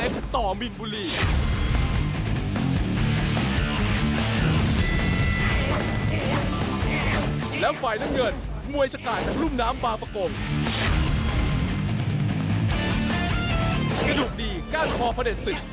กระดูกดีก้านคอพระเด็จศึก